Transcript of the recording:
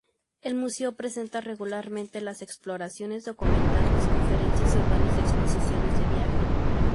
El museo presenta regularmente las exploraciones documentales, conferencias y organiza exposiciones de viaje.